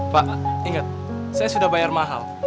pak ingat saya sudah bayar mahal